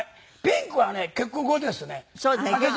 ピンクはね結婚後ですね。